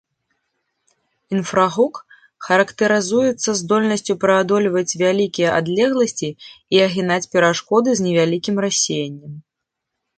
Інфрагук характарызуецца здольнасцю пераадольваць вялікія адлегласці і агінаць перашкоды з невялікім рассеяннем.